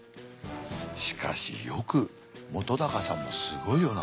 しかしよく本さんもすごいよな。